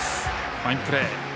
ファインプレー。